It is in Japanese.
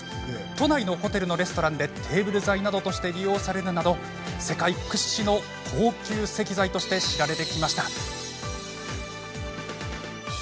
都内のホテルのレストランでテーブル材などとして利用されるなど世界屈指の高級石材として知られてきました。